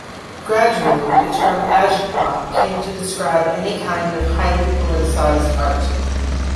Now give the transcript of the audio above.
Gradually the term "agitprop" came to describe any kind of highly politicized art.